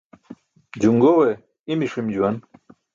Juṅġoowe i̇mi̇ ṣim juwan.